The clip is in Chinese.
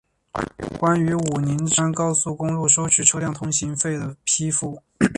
关于武宁至吉安高速公路收取车辆通行费的批复